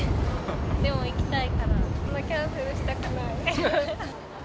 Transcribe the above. でも行きたいから、キャンセルしたくない。